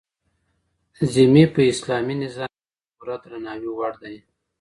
ذمي په اسلامي نظام کي د پوره درناوي وړ دی.